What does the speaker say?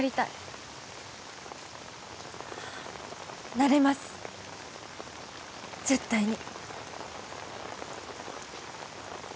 なれます絶対に。